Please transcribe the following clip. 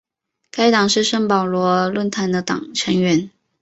该党是圣保罗论坛的成员。